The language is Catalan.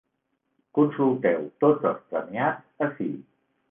Consulteu tots els premiats ací.